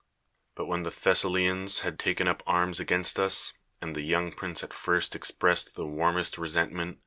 ilut when the Thessalians li; id taken up aiMiis against us, and the vouiilt prince jil lirst ex pressed the warmest rcsentnietit.